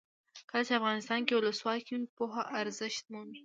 کله چې افغانستان کې ولسواکي وي پوهه ارزښت مومي.